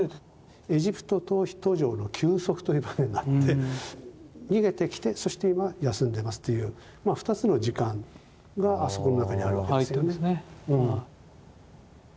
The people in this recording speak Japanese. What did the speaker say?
エジプト逃避途上の休息という場面があって逃げてきてそして今休んでますという２つの時間があそこの中にあるわけですよね。